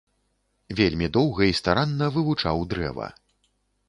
Вельмі доўга і старанна вывучаў дрэва.